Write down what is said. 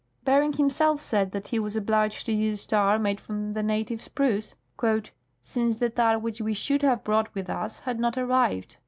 Bering himself said that he was obliged to use tar made from the native spruce, " since Bering^ s Food Sapplies. 219 the tar which we should have brought with us had not arrived."